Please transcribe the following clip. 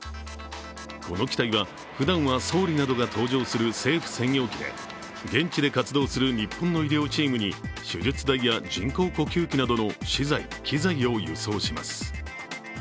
この機体はふだんは総理などが搭乗する政府専用機で現地で活動する日本の医療チームに手術台や人工呼吸器などの資材・機材を輸送します。